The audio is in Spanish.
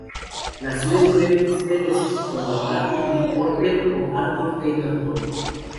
Nació en Memphis, Tennessee como "Arthur Lee Porter" o "Arthur Taylor Porter".